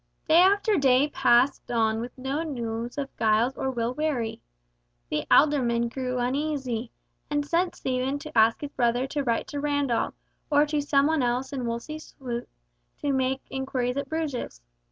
Day after day passed on with no news of Giles or Will Wherry. The alderman grew uneasy, and sent Stephen to ask his brother to write to Randall, or to some one else in Wolsey's suite, to make inquiries at Bruges.